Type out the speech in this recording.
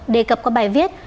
đề cập có bài viết